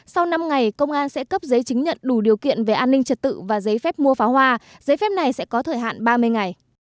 sau năm ngày công an sẽ cấp giấy chứng nhận đủ điều kiện về an ninh trật tự và giấy phép mua pháo hoa giấy phép này sẽ có thời hạn ba mươi ngày